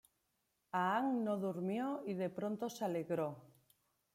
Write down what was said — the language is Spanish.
Aang no durmió y de pronto se alegró.